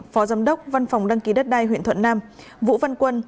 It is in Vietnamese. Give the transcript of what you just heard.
phó giám đốc văn phòng đăng ký đất đai huyện thuận nam vũ văn quân